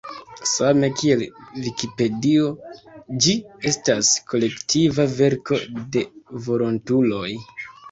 Same kiel Vikipedio, ĝi estas kolektiva verko de volontuloj.